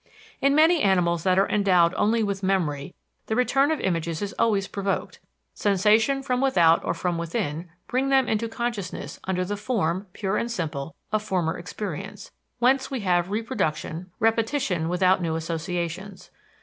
In many animals that are endowed only with memory the return of images is always provoked. Sensation from without or from within bring them into consciousness under the form, pure and simple, of former experience; whence we have reproduction, repetition without new associations.